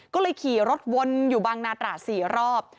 ก็เลยขี่รถวนอยู่บางนาตรา๔รอบ